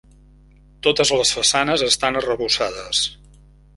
Totes les façanes estan arrebossades.